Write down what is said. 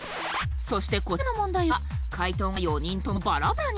そしてこちらの問題は解答が４人ともバラバラに。